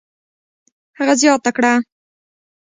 هغه زیاته کړه: